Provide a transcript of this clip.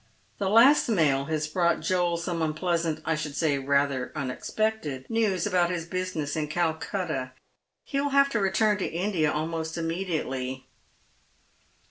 " The last mail has brought Joel some unpleasant — I ehould rather say some unexpected — news about his business in Calcutta. He will have to return to India almost immediately."